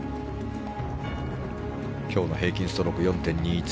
今日の平均ストローク４．２１３。